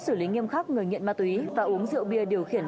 xử lý nghiêm khắc người nghiện ma túy và uống rượu bia điều khiển